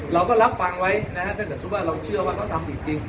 เราก็รับฟังไว้นะฮะถ้าเกิดสมมุติว่าเราเชื่อว่าเขาทำผิดจริง